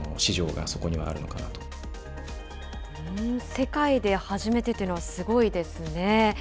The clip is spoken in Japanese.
世界で初めてというのは、すごいですね。